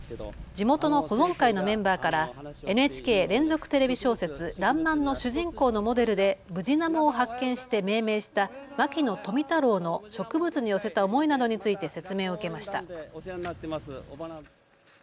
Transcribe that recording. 地元の保存会のメンバーからＮＨＫ連続テレビ小説、らんまんの主人公のモデルでムジナモを発見して命名した牧野富太郎の植物に寄せた思いなどについて説明を受けました。